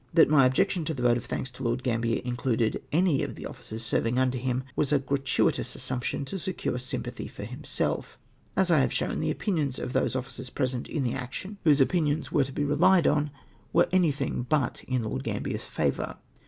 That my objection to the vote of thanks to Lord Gambler included any of the officers serving under him was a gratuitous assumption to secure sympathy for himself. As I have shown, the opinions of those officers present in the action, whose opinions were to * See A' ol. i. p. 404. 90 MY LETTER TO THE COURT be relied on, were anything hut in Lord Gambier's favour.